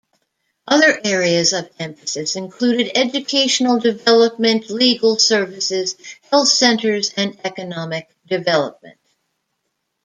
Other areas of emphasis included educational development, legal services, health centers, and economic development.